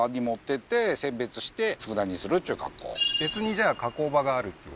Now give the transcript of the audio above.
別にじゃあ加工場があるっていうことですか？